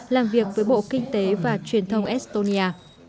làm việc với bộ kinh tế và truyền thông estonia